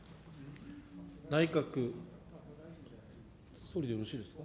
内閣、総理でよろしいですか。